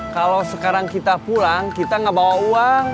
kalau sekarang kita pulang kita nggak bawa uang